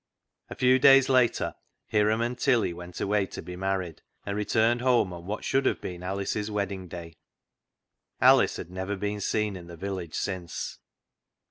A few days later Hiram and Tilly went away to be married, and returned home on what should have been Alice's wedding day. Alice had never been seen in the village since.